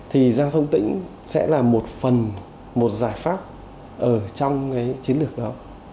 thì giao thông tỉnh sẽ là một phần một giải pháp ở trong cái chiến lược đó